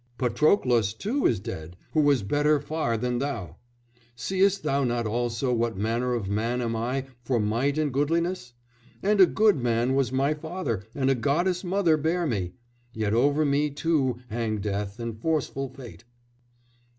Patroklos too is dead, who was better far than thou. Seest thou not also what manner of man am I for might and goodliness? and a good man was my father and a goddess mother bare me. Yet over me too hang death and forceful fate."